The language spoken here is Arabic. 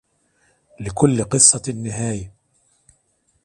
لكلّ قصّة نهاية.